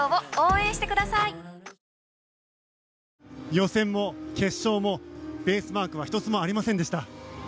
予選も決勝もベースマークは１つもありませんでした。